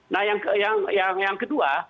nah yang kedua